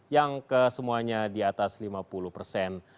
yang kesemuanya di atas lima puluh persen